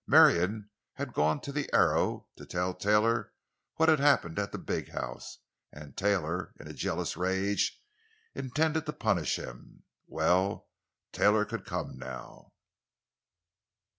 Marion had gone to the Arrow, to tell Taylor what had happened at the big house, and Taylor, in a jealous rage, intended to punish him. Well, Taylor could come now.